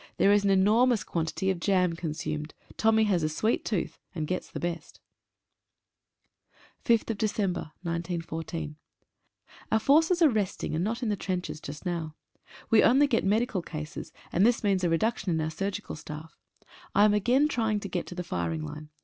There is an enormous quantity of jam consumed — Tommy has a sweet tooth, and gets the best. a «> 5/12/14. /JlUR forces are resting, and not in the trenches just lljv now. We only get medical cases, and this means a reduction in our surgical staff. I am again try ing to get to the firing line.